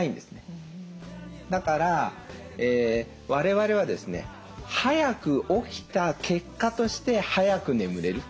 だから我々はですね早く起きた結果として早く眠れる。